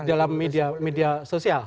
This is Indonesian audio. dalam media sosial